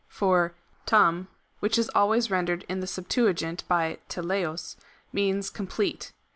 For DD, which is always rendered in the Septuagint by reXeio'?, means complete.